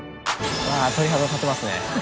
鳥肌立ちますね。